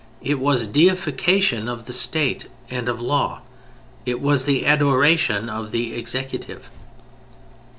It was deification of the State and of law; it was the adoration of the Executive.